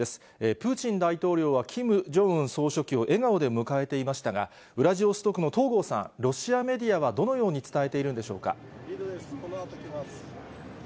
プーチン大統領はキム・ジョンウン総書記を笑顔で迎えていましたが、ウラジオストクの東郷さん、ロシアメディアはどのように伝えているんでしょうか。